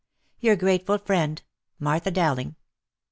" Your grateful friend, " Martha Dowling."